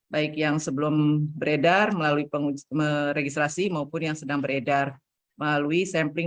baik yang sebelum beredar melalui pengujian